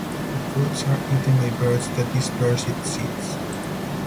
The fruits are eaten by birds that disperse its seeds.